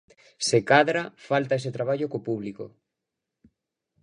Se cadra falta ese traballo co público.